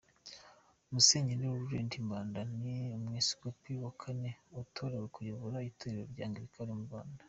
Musenyeri Laurent Mbanda ni Umwepisikopi wa Kane utorewe kuyobora Itorero Angilikani mu Rwanda.